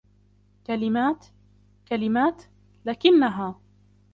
كلمات...كلمات....لكنها.